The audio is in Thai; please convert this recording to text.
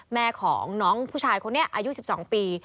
แม่ของน้องผู้ชายคนนี้อายุ๑๒ปี